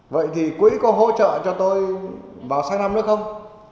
vậy thì quỹ có hỗ trợ cho tôi vào sáng năm nữa không